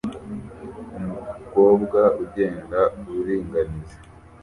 Umukobwa ugenda uringaniza